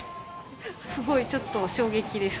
すごいちょっと衝撃です。